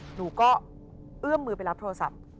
หนูก็เอื้อมมือไปรับโทรศัพท์